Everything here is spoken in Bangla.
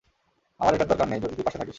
আমার এটার দরকার নেই, যদি তুই পাশে থাকিস।